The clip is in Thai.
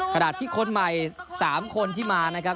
ขณะที่คนใหม่๓คนที่มานะครับ